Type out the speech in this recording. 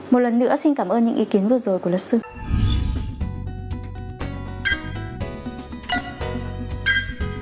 một lần nữa xin cảm ơn những ý kiến vừa rồi của luật sư